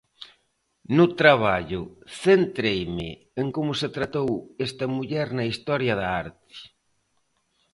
No traballo centreime en como se tratou esta muller na historia da arte.